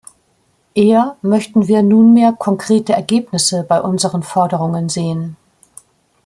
Eher möchten wir nunmehr konkrete Ergebnisse bei unseren Forderungen sehen.